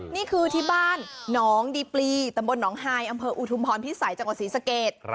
นี่คือที่บ้านนดีปรีตนไฮออุทุมพรพิษัยจังหวัดศรีสเกส